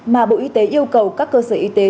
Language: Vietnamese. mà bộ y tế yêu cầu các cơ sở y tế